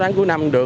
sáu tháng cuối năm